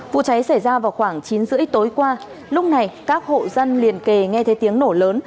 vụ cháy xảy ra vào khoảng chín h ba mươi tối qua lúc này các hộ dân liền kề nghe thấy tiếng nổ lớn